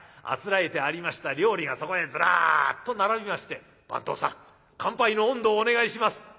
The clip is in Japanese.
あつらえてありました料理がそこへずらっと並びまして「番頭さん乾杯の音頭をお願いします」。